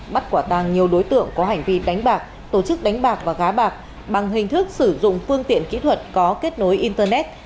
bắt quả tàng nhiều đối tượng có hành vi đánh bạc tổ chức đánh bạc và gá bạc bằng hình thức sử dụng phương tiện kỹ thuật có kết nối internet